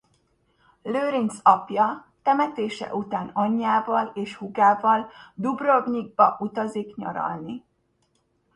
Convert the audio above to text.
Lőrinc apja temetése után anyjával és húgával Dubrovnikba utazik nyaralni.